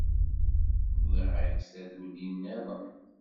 Wwiɣ-ak-d taduli-nniḍen.